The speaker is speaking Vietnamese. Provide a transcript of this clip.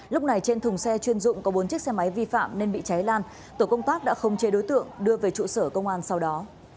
lúc này trên thùng xe chuyên dụng có bốn chiếc xe máy vi phạm nên bị cháy lan tổ công tác đã không chê đối tượng đưa về trụ sở công an sau đó